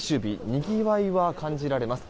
にぎわいは感じられます。